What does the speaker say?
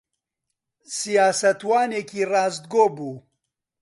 سیاسەتوانێکی ڕاستگۆ بوو.